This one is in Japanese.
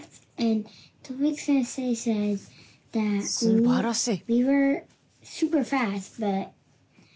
すばらしい。